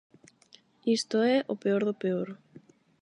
Isto é, o peor do peor.